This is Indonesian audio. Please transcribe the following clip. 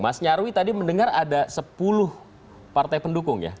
mas nyarwi tadi mendengar ada sepuluh partai pendukung ya